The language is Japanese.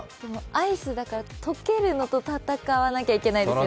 アイスだから溶けるのと戦わなきゃいけないですよね。